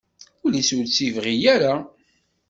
Ul-is ur tt-ibɣi ara.